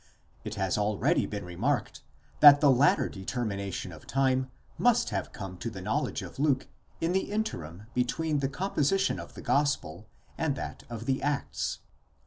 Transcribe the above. It has already been remarked that the latter determination of time must have come to the knowledge of Luke in the interim between the composition of the gospel and that of the Acts.